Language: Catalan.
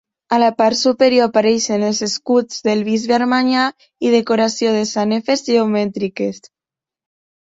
A la part superior apareixen els escuts del bisbe Armanyà i decoració de sanefes geomètriques.